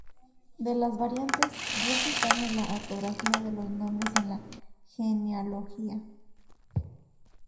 De las variantes, diez están en la ortografía de los nombres en la genealogía.